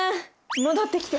戻ってきて。